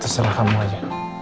terserah kamu aja